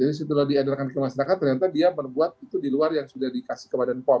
jadi setelah diedarkan ke masyarakat ternyata dia membuat itu di luar yang sudah dikasih ke badan pom